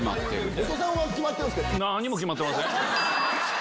後藤さんは決まってるんですか？